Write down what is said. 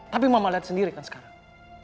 tapi mama lihat sendiri kan sekarang